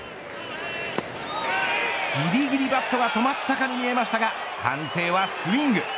ぎりぎりバットが止まったかに見えましたが判定はスイング。